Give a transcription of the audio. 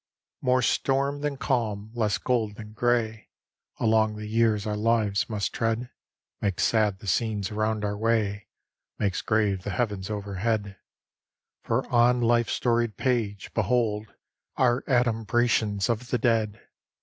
XXXVI More storm than calm, less gold than gray, Along the years our lives must tread, Makes sad the scenes around our way, Makes grave the heavens overhead: For on life's storied page, behold, Are adumbrations of the dead!